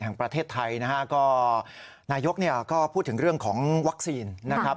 แห่งประเทศไทยนะฮะก็นายกเนี่ยก็พูดถึงเรื่องของวัคซีนนะครับ